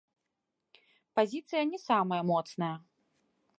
Пазіцыя не самая моцная.